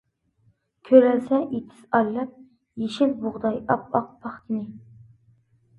كۆرەلىسە ئېتىز ئارىلاپ، يېشىل بۇغداي ئاپئاق پاختىنى.